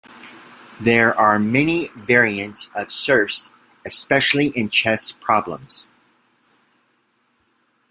There are many variants of Circe, especially in chess problems.